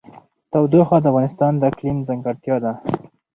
تودوخه د افغانستان د اقلیم ځانګړتیا ده.